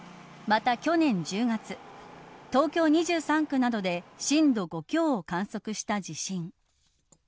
また、去年１０月東京２３区などで震度５強を観測した地震。